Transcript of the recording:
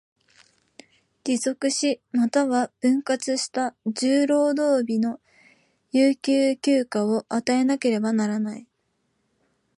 継続し、又は分割した十労働日の有給休暇を与えなければならない。